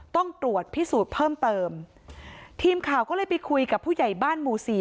ต้องตรวจพิสูจน์เพิ่มเติมทีมข่าวก็เลยไปคุยกับผู้ใหญ่บ้านหมู่สี่